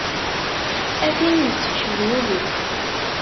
A tin yesfeclen ul-iw.